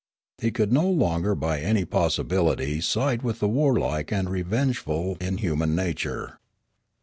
He could no longer by any possibility side with the warlike and revengeful in human nature.